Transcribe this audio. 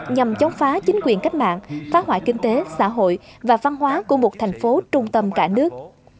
nhằm chống phá chính quyền cách mạng phá hoại kinh tế xã hội và văn hóa của một thành phố trung tâm cả nước